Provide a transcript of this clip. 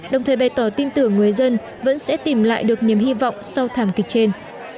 đồng thời bày tỏ tin tưởng người dân vẫn sẽ tìm lại được niềm hy vọng sau thảm kịch trên